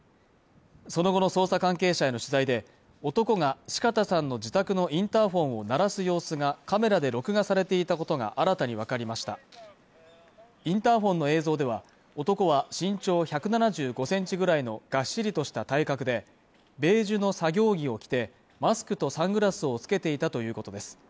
その後の捜査関係者への取材で男が四方さんの自宅のインターフォンを鳴らす様子がカメラで録画されていたことが新たに分かりましたインターフォンの映像では男は身長１７５センチぐらいのがっしりとした体格でベージュの作業着を着てマスクとサングラスを着けていたということです